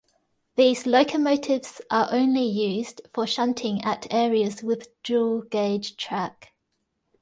These locomotives are only used for shunting at areas with dual gauge track.